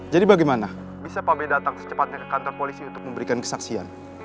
jadi bagaimana bisa pak bey datang secepatnya ke kantor polisi untuk memberikan kesaksian